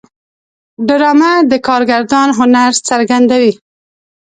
ډرامه د کارگردان هنر څرګندوي